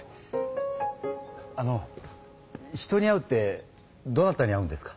あの人に会うってどなたに会うんですか？